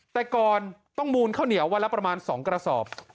แต่ก่อนต้องมูลข้าวเหนียววันละประมาณ๒กระสอบ